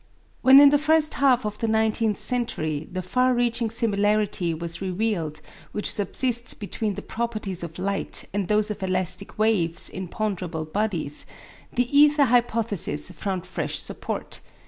When in the first half of the nineteenth century the far reaching similarity was revealed which subsists between the properties of light and those of elastic waves in ponderable bodies, the ether hypothesis found fresh support.